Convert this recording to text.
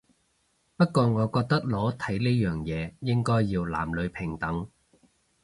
不過我覺得裸體呢樣嘢應該要男女平等